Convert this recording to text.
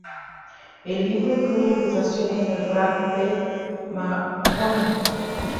El libro incluye ilustraciones de Frank P. Mahony.